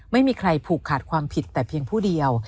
ไม่มีใครผูกขาดความผิดแต่เพียงผู้เดียว